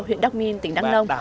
huyện đắk minh tỉnh đắk nông